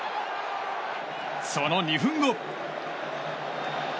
その２分後。